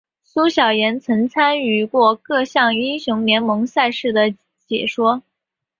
苏小妍曾参与过各项英雄联盟赛事的解说。